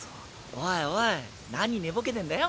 おいおいなに寝ぼけてんだよ。